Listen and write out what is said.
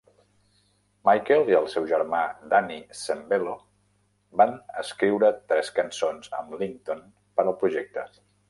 Michael i el seu germà Danny Sembello van escriure tres cançons amb Lington per al projecte.